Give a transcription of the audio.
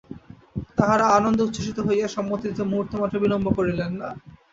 তাঁহারা আনন্দে উচ্ছ্বসিত হইয়া সম্মতি দিতে মুহূর্তমাত্র বিলম্ব করিলেন না।